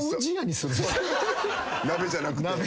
鍋じゃなくて。